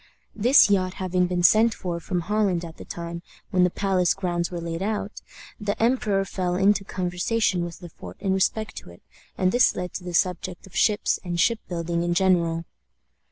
This yacht having been sent for from Holland at the time when the palace grounds were laid out, the emperor fell into conversation with Le Fort in respect to it, and this led to the subject of ships and ship building in general.